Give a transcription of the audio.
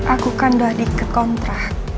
aku kan doa dikit kontrak